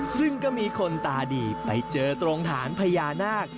ซึ่งก็มีคนตาดีไปเจอตรงฐานพญานาค